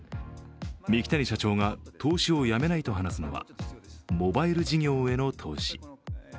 三木谷社長が投資をやめないと話すのはモバイル事業への投資。